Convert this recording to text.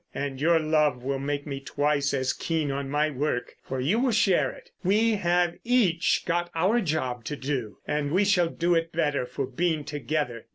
And your love will make me twice as keen on my work, for you will share in it. We have each got our job to do, and we shall do it better for being together.